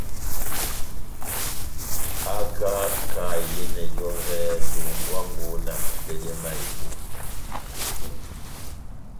Haka kahá iyɛnɛ j'ɔvɛ dongwango na matɛdɛ ma ebota.